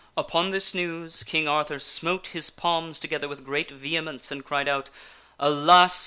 Upon this news, King Arthur smote his palms together with great vehemence and cried out, "Alas!